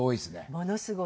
ものすごい多い。